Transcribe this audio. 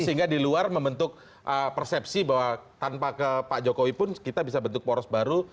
sehingga di luar membentuk persepsi bahwa tanpa ke pak jokowi pun kita bisa bentuk poros baru